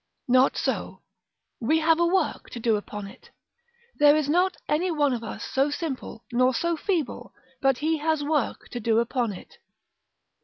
Not so. We have work to do upon it; there is not any one of us so simple, nor so feeble, but he has work to do upon it.